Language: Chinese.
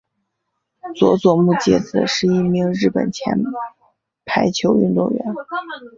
佐佐木节子是一名日本前排球运动员。